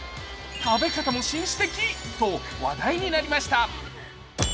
食べ方も紳士的と話題になりました。